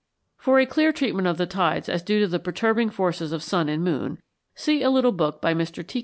For a clear treatment of the tides as due to the perturbing forces of sun and moon, see a little book by Mr. T.